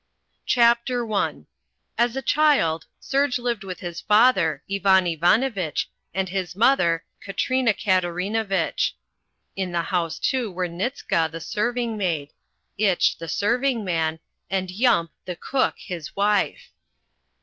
CHAPTER I As a child. Serge lived with his father Ivan Ivanovitch and his mother Katrina Katerinavitch. In the house, too were Nitska, the serving maid. Itch, the serving man, and Yump, the cook, his wife.